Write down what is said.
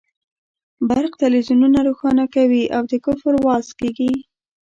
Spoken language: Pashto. برق تلویزیونونه روښانه کوي او د کفر وعظ کېږي.